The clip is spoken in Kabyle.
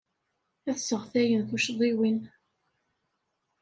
Ad sseɣtayen tucḍiwin.